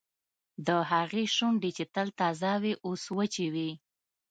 د هغې شونډې چې تل تازه وې اوس وچې وې